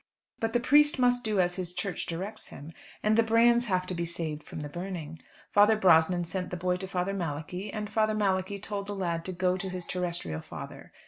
But the priest must do as his Church directs him, and the brands have to be saved from the burning. Father Brosnan sent the boy to Father Malachi, and Father Malachi told the lad to go to his terrestrial father.